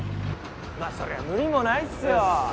まあそりゃ無理もないっすよ。